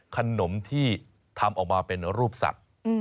ขนมที่ทำออกมาเป็นรูปสัตว์